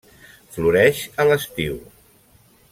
Floreix a l'estiu.